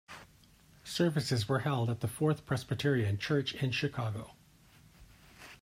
Services were held at the Fourth Presbyterian Church in Chicago.